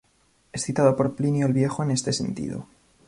Es citado por Plinio el Viejo en este sentido.